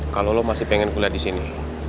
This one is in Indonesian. kalau lo masih pengen kuliah di sini